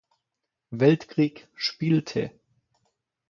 Weltkrieg spielte.